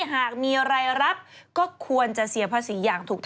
หากมีรายรับก็ควรจะเสียภาษีอย่างถูกต้อง